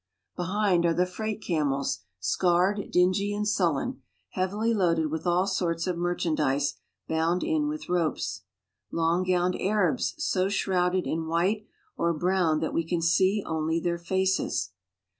Behind are the freight camels, scarred, dingy, and sullen, heavily loaded with all sorts of merchandise, K)und in with ropes. Long gowned Arabs, so shrouded white or brown that we can see only their faces.